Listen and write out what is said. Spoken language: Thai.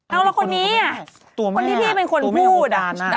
เอาล่ะคนนี้อ่ะพี่เป็นคนผู้ดาแน่